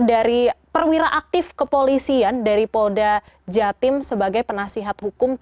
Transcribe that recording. itu di terima perwira aktif kepolisian dari polda jatim sebagai penasihat hukum